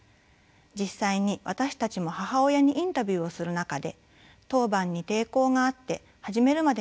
実際に私たちも母親にインタビューをする中で「当番に抵抗があって始めるまでに１か月悩んだ」